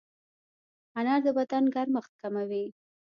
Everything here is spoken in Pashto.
انار د بدن ګرمښت کموي.